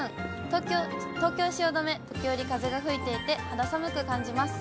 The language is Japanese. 東京・汐留、時折風が吹いていて、肌寒く感じます。